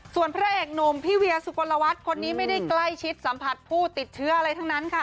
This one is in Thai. ส่วนพระเอกหนุ่มพี่เวียสุกลวัฒน์คนนี้ไม่ได้ใกล้ชิดสัมผัสผู้ติดเชื้ออะไรทั้งนั้นค่ะ